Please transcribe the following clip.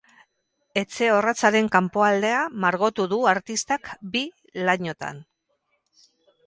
Etxe orratzaren kanpoaldea margotu du artistak bi lanotan.